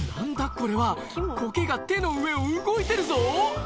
これはコケが手の上を動いてるぞ！